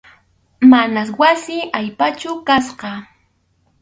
Manas wasi allpachu kasqa.